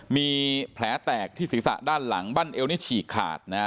มีแผลแตกที่ศีรษะด้านหลังบ้านเอวนี่ฉีกขาดนะฮะ